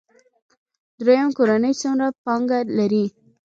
دریم کورنۍ څومره پانګه لري.